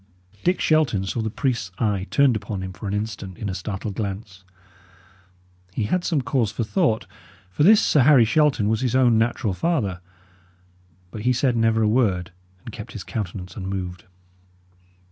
Dick Shelton saw the priest's eye turned upon him for an instant in a startled glance. He had some cause for thought; for this Sir Harry Shelton was his own natural father. But he said never a word, and kept his countenance unmoved.